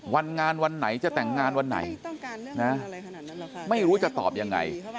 วันงานวันไหนจะแต่งงานวันไหนไม่รู้จะตอบยังไง